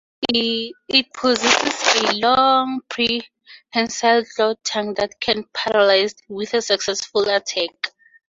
It possesses a long, prehensile clawed tongue that can paralyze with a successful attack.